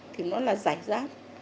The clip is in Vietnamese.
thì nó là rải rác